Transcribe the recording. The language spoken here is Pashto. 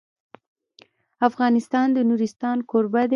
افغانستان د نورستان کوربه دی.